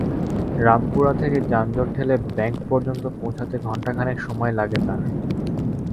রামপুরা থেকে যানজট ঠেলে ব্যাংক পর্যন্ত পৌঁছাতে ঘণ্টা খানেক সময় লাগে তাঁর।